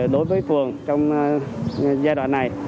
đối với phường trong giai đoạn này